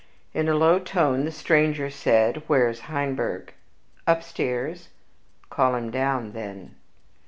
In a low tone the stranger said, "Where's Heinberg?" "Upstairs." "Call him down, then."